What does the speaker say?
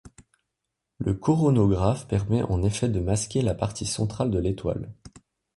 Le coronographe permet en effet de masquer la partie centrale de l'étoile.